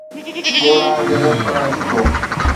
ڳوڙها جذب ڪرڻ سکو